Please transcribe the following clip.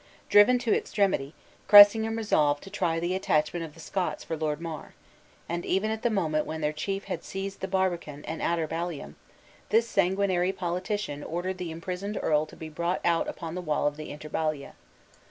Driven to extremity, Cressingham resolved to try the attachment of the Scots for Lord Mar; and even at the moment when their chief had seized the barbican and outer ballium, this sanguinary politician ordered the imprisoned earl to be brought out upon the wall of the inner ballia.